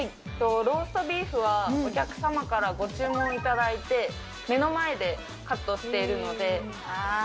ローストビーフは、お客様からご注文いただいて目の前でカットしているので。